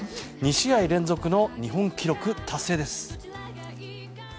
２試合連続の日本記録達成です。